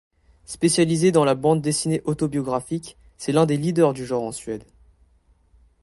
Spécialisé dans la bande dessinée autobiographique, c'est l'un des leaders du genre en Suède.